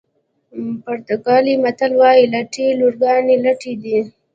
پرتګالي متل وایي لټې لورګانې لټه دي.